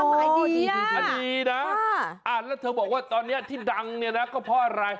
อ๋อดีค่ะอันนี้นะแล้วเธอบอกว่าตอนนี้ที่ดังก็เพราะอะไร